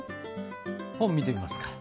本見てみますか？